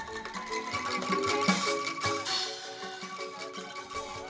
ketua angklung cari hal misalnya